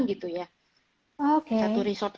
gitu ya satu resort